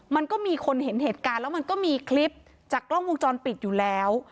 มันก็มีคนเห็นเหตุการณ์แล้วมันก็มีคลิปจากกล้องวงจรปิดอยู่แล้ว